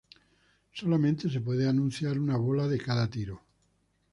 Solamente se puede anunciar una bola en cada tiro.